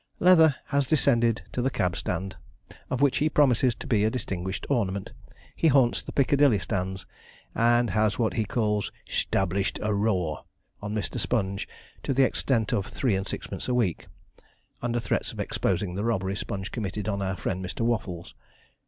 Leather has descended to the cab stand, of which he promises to be a distinguished ornament. He haunts the Piccadilly stands, and has what he calls ''stablish'd a raw' on Mr. Sponge to the extent of three and six pence a week, under threats of exposing the robbery Sponge committed on our friend Mr. Waffles.